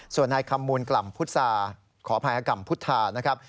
ส่วนนายคำมูลดรับปรุศาขอบภายกรรมพุทธานะครับ